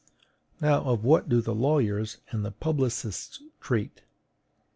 Now, of what do the lawyers and the publicists treat?